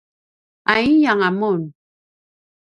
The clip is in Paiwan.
’aiyanga mun?